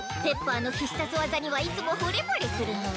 あの必殺技にはいつもほれぼれするのう。